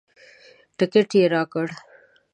ټکټ یې راکړ.